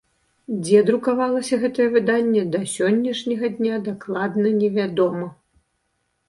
Дзе друкавалася гэтае выданне, да сённяшняга дня дакладна не вядома.